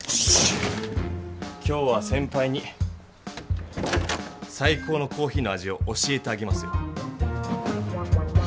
今日はせんぱいにさい高のコーヒーの味を教えてあげますよ。